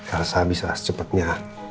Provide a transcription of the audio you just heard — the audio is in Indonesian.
elsa bisa secepatnya